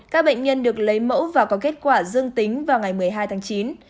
các bệnh nhân được lấy mẫu và có kết quả dương tính vào ngày một mươi hai tháng chín